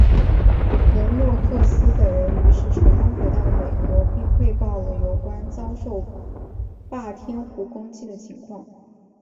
伦诺克斯等人于是成功回到了美国并汇报了有关遭受霸天虎攻击的情况。